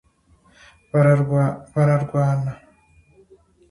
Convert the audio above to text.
bararwana